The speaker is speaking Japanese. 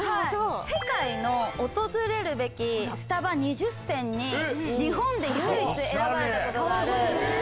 世界の訪れるべきスタバ２０選に日本で唯一選ばれたことがある。